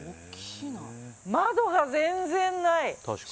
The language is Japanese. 窓が全然ない。